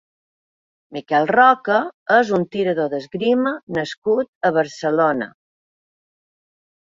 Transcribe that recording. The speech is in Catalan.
Miguel Roca és un tirador d'esgrima nascut a Barcelona.